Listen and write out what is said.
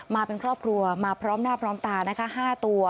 มาเป็นครอบครัวมาพร้อมหน้าพร้อมตานะคะ๕ตัว